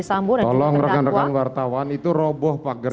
tolong rekan rekan wartawan itu roboh pagar